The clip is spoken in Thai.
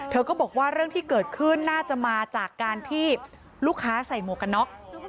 เธอก็บอกว่าเรื่องที่เกิดขึ้นน่าจะมาจากการที่ลูกค้าใส่หมวกกันน็อก